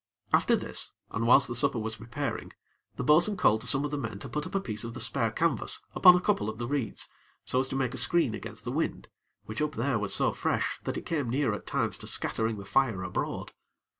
After this, and whilst the supper was preparing, the bo'sun called to some of the men to put up a piece of the spare canvas upon a couple of the reeds, so as to make a screen against the wind, which up there was so fresh that it came near at times to scattering the fire abroad.